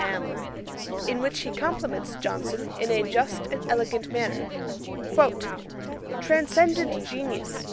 M_., in which he compliments Johnson in a just and elegant manner: Transcendant Genius!